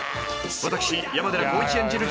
［私山寺宏一演じる